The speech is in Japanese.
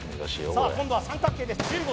さあ今度は三角形です